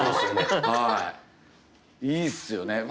いいっすよね。